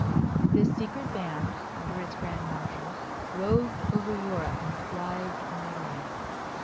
This secret band, under its Grand Marshal, roved over Europe and thrived mightily.